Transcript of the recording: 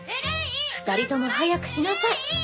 ２人とも早くしなさい。